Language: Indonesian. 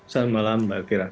selamat malam mbak kira